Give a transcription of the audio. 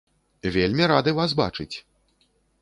Вельмі рады вас бачыць!